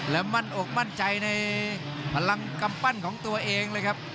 และมั่นอกมั่นใจในพลังกำปั้นของตัวเองเลยครับ